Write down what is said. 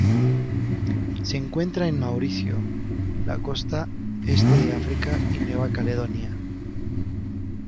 Se encuentra en Mauricio, la costa este de África y Nueva Caledonia.